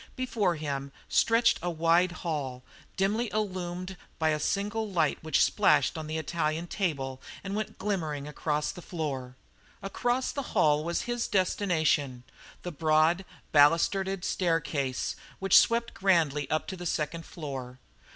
Before him stretched a wide hall, dimly illumined by a single light which splashed on the Italian table and went glimmering across the floor. Across the hall was his destination the broad balustraded staircase, which swept grandly up to the second floor.